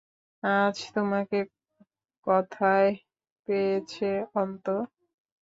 আজ তোমাকে কথায় পেয়েছে, অন্তু।